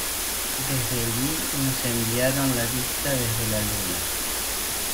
Desde allí nos enviaron la vista desde la Luna.